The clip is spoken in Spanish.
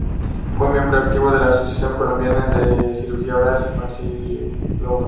Fue miembro activo de la Asociación Colombiana de Cirugía Oral y Maxilofacial.